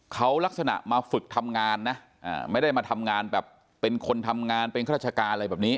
เขาลักษณะมาฝึกทำงานนะไม่ได้มาทำงานแบบเป็นคนทำงานเป็นข้าราชการอะไรแบบนี้